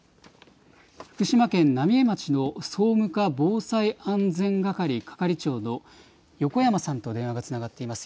福島県浪江町の総務課防災安全係係長の横山さんと電話がつながっています。